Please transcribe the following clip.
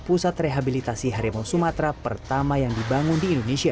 pusat rehabilitasi harimau sumatera pertama yang dibangun di indonesia